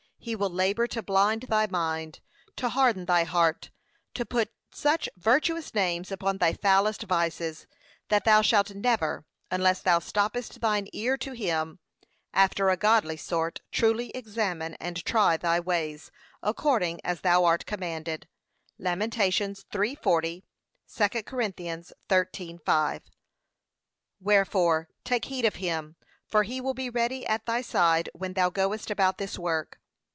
He will labour to blind thy mind, to harden thy heart, to put such virtuous names upon thy foulest vices, that thou shalt never, unless thou stoppest thine ear to him, after a godly sort, truly examine and try thy ways, according as thou art commanded. (Lam. 3:40; 2 Cor. 13:5) Wherefore take heed of him, for he will be ready at thy side when thou goest about this work.